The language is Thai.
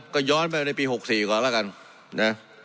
ก็ย้อนไปในปี๖๔ก่อนแล้วกันนะ